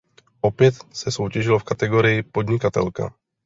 Opět se soutěžilo v kategorii Podnikatelka.